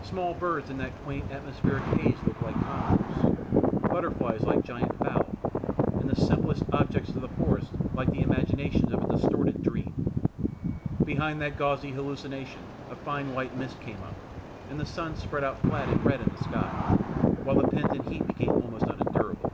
Small birds in that quaint atmospheric haze looked like condors, butterflies like giant fowl, and the simplest objects of the forest like the imaginations of a disordered dream. Behind that gauzy hallucination a fine white mist came up, and the sun spread out flat and red in the sky, while the pent in heat became almost unendurable.